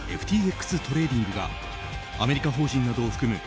ＦＴＸトレーディングがアメリカ法人などを含む